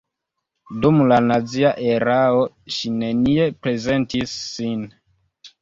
Dum la nazia erao ŝi nenie prezentis sin.